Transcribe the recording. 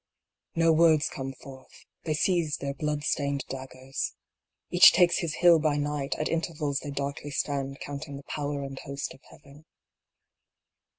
No words come forth, they seize their blood stained dag gers. Each takes his hill by night, at intervals they darkly stand counting the power and host of Heaven.